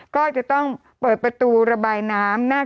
กรมป้องกันแล้วก็บรรเทาสาธารณภัยนะคะ